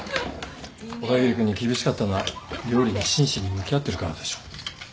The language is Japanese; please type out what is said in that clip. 小田切君に厳しかったのは料理に真摯に向き合ってるからでしょ。